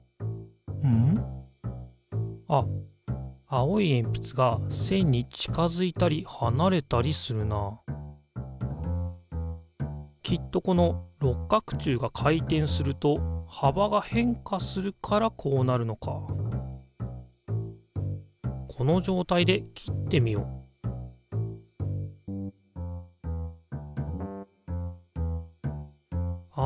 青いえんぴつが線に近づいたりはなれたりするなきっとこの六角柱が回転するとはばが変化するからこうなるのかこの状態で切ってみようあ。